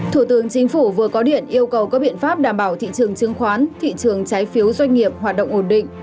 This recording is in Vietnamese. thủ tướng chính phủ vừa có điện yêu cầu các biện pháp đảm bảo thị trường chứng khoán thị trường trái phiếu doanh nghiệp hoạt động ổn định